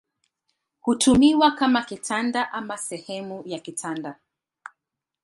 Hutumiwa kama kitanda au kama sehemu ya kitanda.